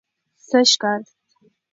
سږ کال